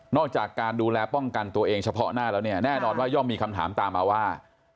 จากการดูแลป้องกันตัวเองเฉพาะหน้าแล้วเนี่ยแน่นอนว่าย่อมมีคำถามตามมาว่า